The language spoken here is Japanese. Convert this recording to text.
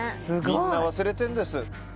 みんな忘れてんです。